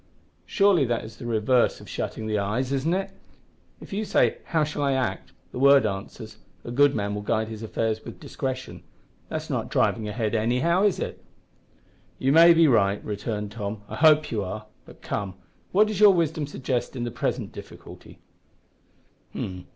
Surely that is the reverse of shutting the eyes, isn't it? If you say, `how shall I act?' the Word answers, `A good man will guide his affairs with discretion.' That's not driving ahead anyhow, is it?" "You may be right," returned Tom, "I hope you are. But, come, what does your wisdom suggest in the present difficulty?"